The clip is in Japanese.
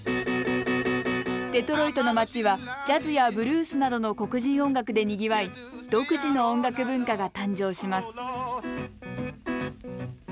デトロイトの町はジャズやブルースなどの黒人音楽でにぎわい独自の音楽文化が誕生します